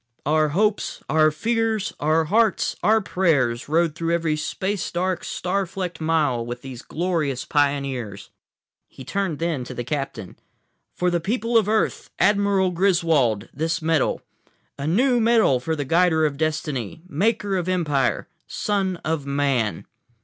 "Our hopes, our fears, our hearts, our prayers rode through every space dark, star flecked mile with these glorious pioneers." He turned then to the captain. "For the people of Earth, Admiral Griswold, this medal. A new medal for a Guider of Destiny, Maker of Empire, Son of Man!"